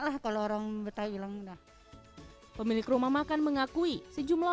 lah kalau orang betah hilang dah pemilik rumah makan mengakui sejumlah